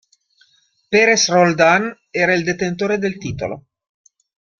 Perez-Roldan era il detentore del titolo.